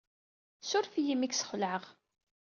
Ssuref-iyi imi ay k-sxelɛeɣ.